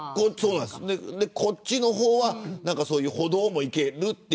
こっちの方は歩道もいける。